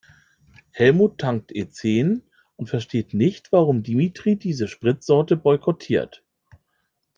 Helmut tankt E-zehn und versteht nicht, warum Dimitri diese Spritsorte boykottiert.